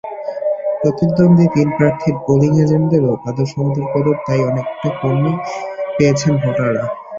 প্রতিদ্বন্দ্বী তিন প্রার্থীর পোলিং এজেন্টদেরও আদর-সমাদর-কদর তাই অনেকটা কমই পেয়েছেন ভোটাররা।